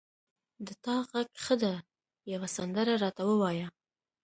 د تا غږ ښه ده یوه سندره را ته ووایه